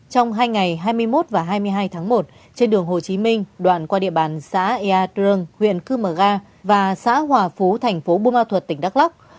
trong hai ngày hai mươi một và hai mươi hai tháng một trên đường hồ chí minh đoạn qua địa bàn xã ea trương huyện cư mờ ga và xã hòa phú thành phố bù ma thuật tỉnh đắk lắk